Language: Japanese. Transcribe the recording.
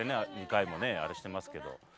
２回もねあれしてますけど。